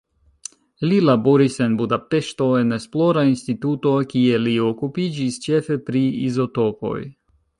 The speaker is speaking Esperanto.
Li laboris en Budapeŝto en esplora instituto, kie li okupiĝis ĉefe pri izotopoj.